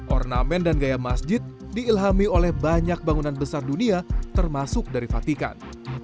ornamen dan gaya masjid diilhami oleh banyak bangunan besar dunia termasuk dari fatikan